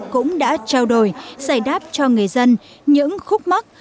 cũng đã trao đổi giải đáp cho người dân những khúc mắt